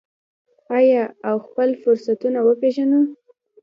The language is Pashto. آیا او خپل فرصتونه وپیژنو؟